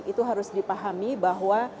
itu harus dipahami bahwa